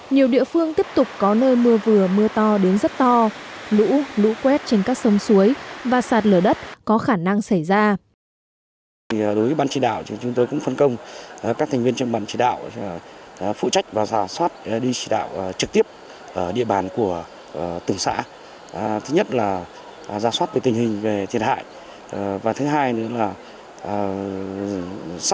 nhiều địa phương tiếp tục có nơi mưa vừa mưa to đến rất to lũ lũ quét trên các sông suối và sạt lở đất có khả năng xảy ra